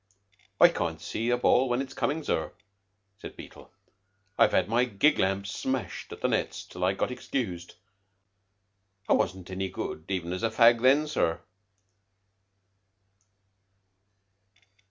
"I can't see a ball when it's coming, sir," said Beetle. "I've had my gig lamps smashed at the Nets till I got excused. I wasn't any good even as a fag, then, sir."